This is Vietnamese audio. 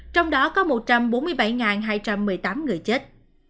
trong đó có một trăm bốn mươi bảy hai trăm một mươi tám người chết